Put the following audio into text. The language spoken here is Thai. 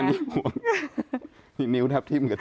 อันนี้ห่วงนิ้วแทบที่มึงกระจก